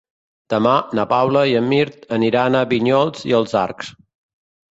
Demà na Paula i en Mirt aniran a Vinyols i els Arcs.